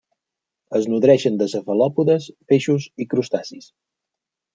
Es nodreixen de cefalòpodes, peixos i crustacis.